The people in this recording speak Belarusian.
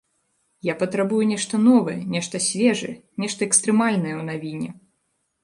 Я патрабую нешта новае, нешта свежае, нешта экстрэмальнае ў навіне.